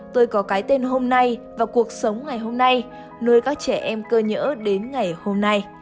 tôi có cái tên hôm nay và cuộc sống ngày hôm nay nơi các trẻ em cơ nhỡ đến ngày hôm nay